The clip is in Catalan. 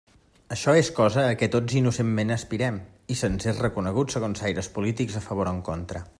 Això és cosa a què tots innocentment aspirem, i se'ns és reconegut segons aires polítics a favor o en contra.